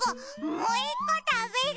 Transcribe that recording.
もういっこたべる！